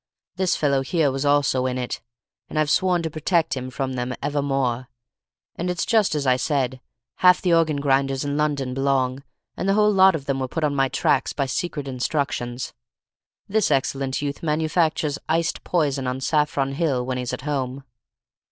This fellow here was also in it, and I've sworn to protect him from them evermore; and it's just as I said, half the organ grinders in London belong, and the whole lot of them were put on my tracks by secret instructions. This excellent youth manufactures iced poison on Saffron Hill when he's at home."